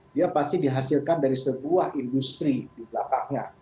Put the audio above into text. dia pasti dihasilkan dari sebuah industri di belakangnya